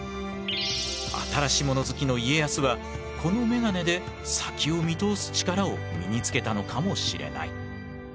新しもの好きの家康はこのめがねで先を見通す力を身につけたのかもしれない。